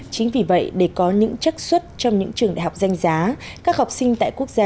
chính vì vậy để có những chắc xuất trong những trường đại học danh giá các học sinh tại quốc gia